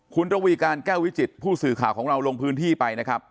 คุณระวีการแก้ววิจิตผู้สื่อข่าวของเราลงพื้นที่ไปนะครับ